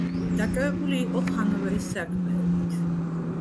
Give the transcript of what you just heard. დაკავებული იყო ჰანოვერის საქმეებით.